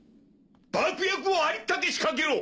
爆薬をありったけ仕掛けろ！